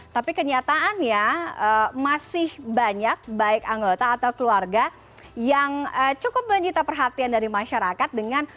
tapi kenyataannya masih banyak baik anggota atau keluarga yang cukup menyita perhatian dari masyarakat dengan